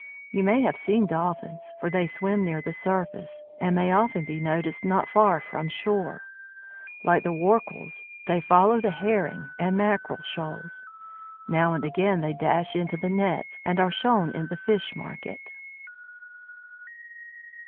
You may have seen Dolphins, for they swim near the surface, and may often be noticed not far from the shore. Like the Rorquals, they follow the Herring and Mackerel shoals. Now and again they dash into the nets, and are shown in the fish market.